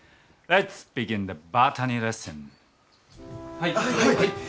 はい！